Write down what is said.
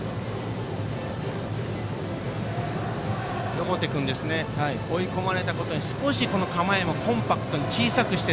横手君は追い込まれたことで少し構えもコンパクトに小さくして。